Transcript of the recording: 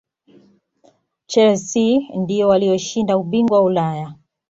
chelsea ndiyo waliyoshinda ubingwa wa ulaya